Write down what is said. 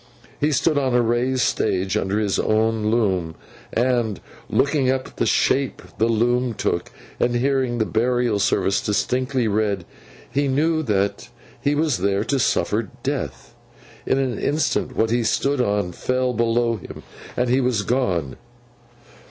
He stood on a raised stage, under his own loom; and, looking up at the shape the loom took, and hearing the burial service distinctly read, he knew that he was there to suffer death. In an instant what he stood on fell below him, and he was gone.